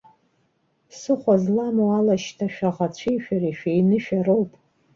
Ԥсыхәа зламоу ала шьҭа шәаӷацәеи шәареи шәеинышәароуп.